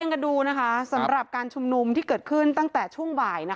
กันดูนะคะสำหรับการชุมนุมที่เกิดขึ้นตั้งแต่ช่วงบ่าย